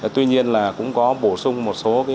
tuy nhiên là cũng có bổ sung một số